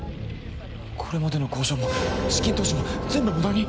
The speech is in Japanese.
これまでの交渉も資金投資も全部ムダに！？